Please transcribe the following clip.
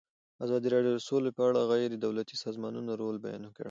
ازادي راډیو د سوله په اړه د غیر دولتي سازمانونو رول بیان کړی.